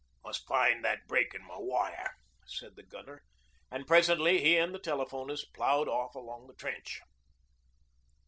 'Must find that break in my wire,' said the gunner, and presently he and the telephonist ploughed off along the trench.